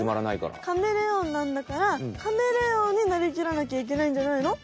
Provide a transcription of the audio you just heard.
ううんカメレオンなんだからカメレオンになりきらなきゃいけないんじゃないの？